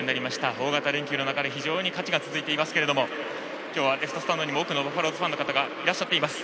大型連休の中で、非常に勝ちが続いていますけれども今日はレフトスタンドにも非常に多くのバファローズファンの方がいらっしゃっています。